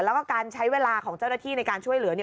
แล้วก็การใช้เวลาของเจ้าหน้าที่ในการช่วยเหลือ